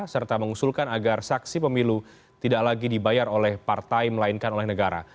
serta mengusulkan agar saksi pemilu tidak lagi dibayar oleh partai melainkan oleh negara